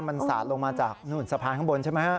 มันสาดลงมาจากนู่นสะพานข้างบนใช่ไหมฮะ